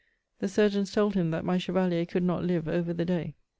The surgeons told him that my chevalier could not live over the day.